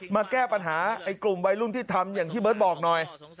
มาแก้ปัญหาไอ้กลุ่มวัยรุ่นที่ทำอย่างที่เบิร์ตบอกหน่อย